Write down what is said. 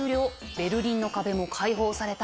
ベルリンの壁も開放された。